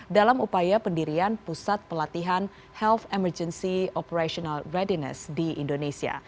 dalam upaya pendirian pusat pelatihan health emergency operational readiness di indonesia